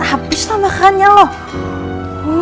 habis lah makannya loh